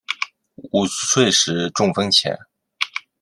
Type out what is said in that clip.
五十岁时中风前